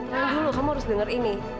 ternyata dulu kamu harus denger ini